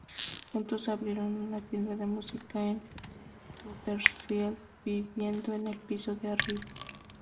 Juntos abrieron una tienda de música en Huddersfield, viviendo en el piso de arriba.